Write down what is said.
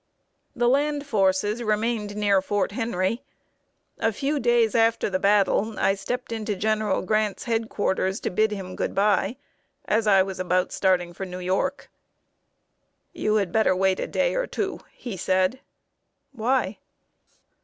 The land forces remained near Fort Henry. A few days after the battle, I stepped into General Grant's head quarters to bid him good by, as I was about starting for New York. "You had better wait a day or two," he said. "Why?"